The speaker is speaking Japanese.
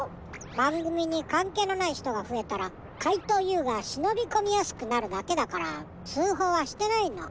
ばんぐみにかんけいのないひとがふえたらかいとうＵがしのびこみやすくなるだけだからつうほうはしてないの。